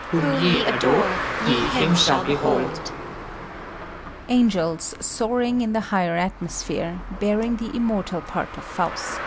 Whom ye adore, ye Him shall behold.